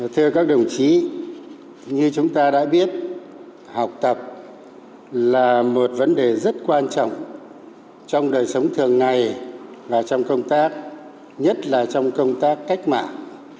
thưa các đồng chí như chúng ta đã biết học tập là một vấn đề rất quan trọng trong đời sống thường ngày và trong công tác nhất là trong công tác cách mạng